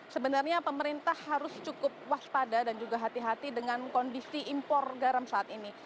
sebenarnya pemerintah harus cukup waspada dan juga hati hati dengan kondisi impor garam saat ini